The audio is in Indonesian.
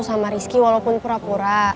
sama rizky walaupun pura pura